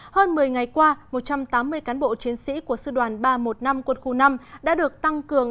hơn một mươi ngày qua một trăm tám mươi cán bộ chiến sĩ của sư đoàn ba trăm một mươi năm quân khu năm đã được tăng cường